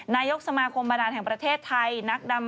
นายกสมาคมประดานแห่งประเทศไทย